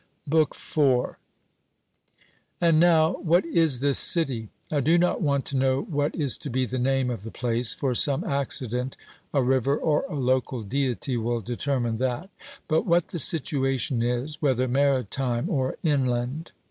BOOK IV. And now, what is this city? I do not want to know what is to be the name of the place (for some accident, a river or a local deity, will determine that), but what the situation is, whether maritime or inland.